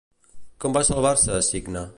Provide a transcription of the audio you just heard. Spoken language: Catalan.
Com va salvar-se Cicne?